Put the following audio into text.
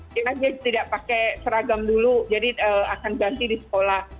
kita tidak pakai seragam dulu jadi akan ganti di sekolah